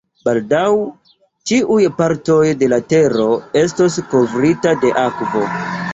Baldaŭ, ĉiuj partoj de la tero estos kovrita de akvo.